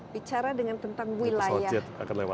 bicara dengan tentang wilayah